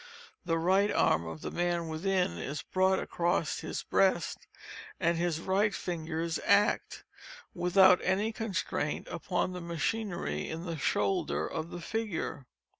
The right arm of the man within is brought across his breast, and his right fingers act, without any constraint, upon the machinery in the shoulder of the figure.